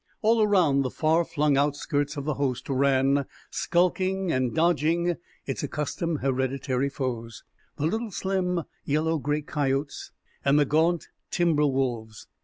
All around the far flung outskirts of the host ran, skulking and dodging, its accustomed, hereditary foes the little slim, yellow gray coyotes and the gaunt timber wolves.